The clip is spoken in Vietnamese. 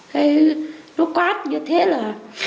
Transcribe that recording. thấy nó quát như thế là